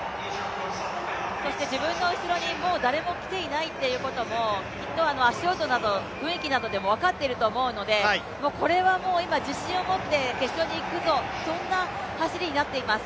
自分の後ろにもう誰も来ていないということも、きっと足音、雰囲気などで分かっていると思うので、これは今自信を持って決勝に行くぞ、そんな走りになっています。